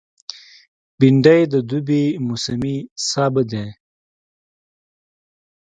بېنډۍ د دوبي موسمي سابه دی